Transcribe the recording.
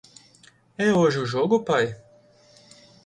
É hoje o jogo pai?